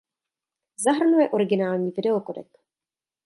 Zahrnuje originální video kodek.